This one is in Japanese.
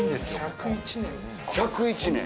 １０１年！